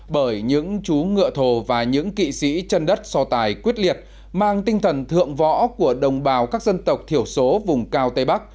bởi những chú ngựa thồ và những kỵ sĩ chân đất so tài quyết liệt mang tinh thần thượng võ của đồng bào các dân tộc thiểu số vùng cao tây bắc